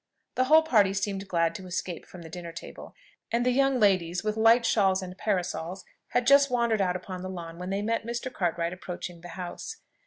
The whole party seemed glad to escape from the dinner table; and the young ladies, with light shawls and parasols, had just wandered out upon the lawn, when they met Mr. Cartwright approaching the house.